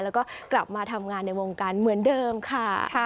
แล้วก็กลับมาทำงานในวงการเหมือนเดิมค่ะ